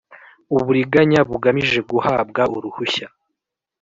uburiganya bugamije guhabwa uruhushya